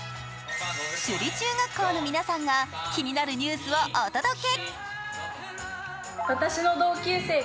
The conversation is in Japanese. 首里中学校の皆さんが気になるニュースをお届け。